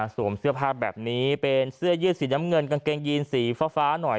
เสื้อผ้าแบบนี้เป็นเสื้อยืดสีน้ำเงินกางเกงยีนสีฟ้าหน่อย